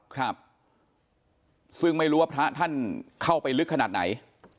ครับซึ่งไม่รู้ว่าพระท่านเข้าไปลึกขนาดไหน